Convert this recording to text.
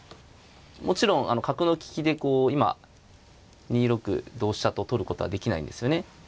もちろん角の利きでこう今２六同飛車と取ることはできないんですよね。